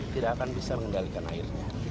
tidak akan bisa mengendalikan airnya